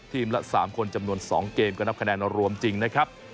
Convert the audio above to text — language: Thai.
ละ๓คนจำนวน๒เกมก็นับคะแนนรวมจริงนะครับ